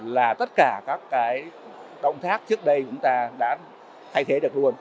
là tất cả các cái động thác trước đây chúng ta đã thay thế được luôn